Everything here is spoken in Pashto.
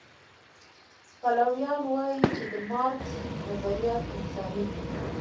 پلویان وایي چې د مارکس نظریات انساني دي.